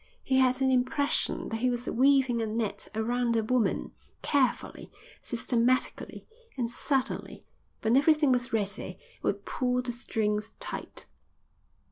He had an impression that he was weaving a net around the woman, carefully, systematically, and suddenly, when everything was ready would pull the strings tight.